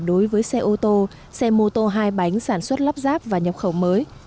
đối với xe ô tô xe mô tô hai bánh sản xuất lắp ráp và nhập khẩu mới